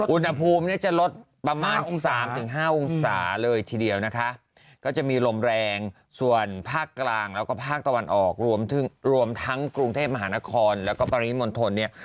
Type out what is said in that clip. อุณหภูมิเนี่ยจะลดประมาณสามถึงห้าองศาเลยทีเดียวนะคะก็จะมีลมแรงส่วนภาคกลางแล้วก็ภาคตะวันออกรวมถึงรวมทั้งกรุงเทพมหานครแล้วก็ปริมณฑลเนี่ย